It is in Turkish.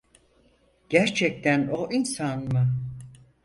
Gerçekten o insan mı?